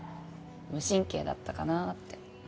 無神経だったかなって。